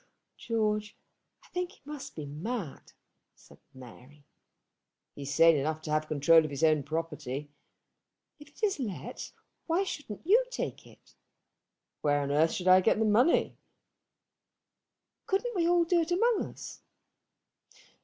"George, I think he must be mad," said Mary. "He is sane enough to have the control of his own property." "If it is let, why shouldn't you take it?" "Where on earth should I get the money?" "Couldn't we all do it among us?"